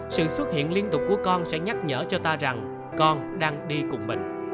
sự xuất hiện liên tục của con sẽ nhắc nhở cho ta rằng con đang đi cùng mình